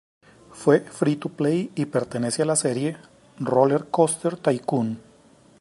Fue free-to-play y pertenece a la serie "RollerCoaster Tycoon".